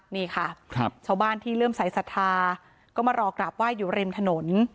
นี่ค่ะครับชาวบ้านที่เริ่มใส่ศทาก็มารอกราบไหวกว้ายอยู่ริมถนน